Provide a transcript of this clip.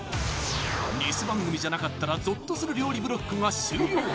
ニセ番組じゃなかったらゾッとする料理ブロックが終了